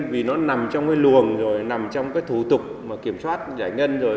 vì nó nằm trong cái luồng rồi nằm trong cái thủ tục kiểm soát giải ngân rồi